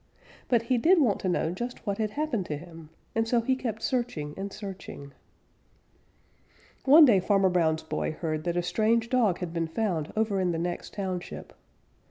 But he did want to know just what had happened to him, and so he kept searching and searching. One day Farmer Brown's boy heard that a strange dog had been found over in the next township.